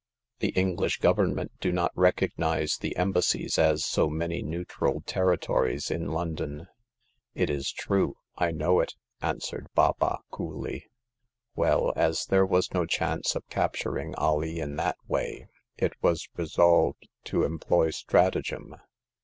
The EngHsh Government do not recognize the Embassies as so many neutral territories in London." It is true ; I know it," answered Baba, coolly. *' Well, as there was no chance of capturing Alee in that way, it was resolved to employ stratagem.